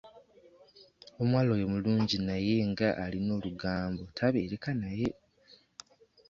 Omuwala oyo mulungi naye nga alina olugambo tabeereka naye.